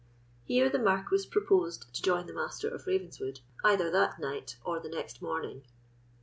Here the Marquis proposed to join the Master of Ravenswood, either that night or the next morning.